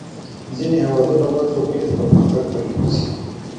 ځینې هېوادونه ورځ تر بلې د پرمختګ په لور ځي.